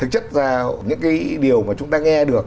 thực chất ra những cái điều mà chúng ta nghe được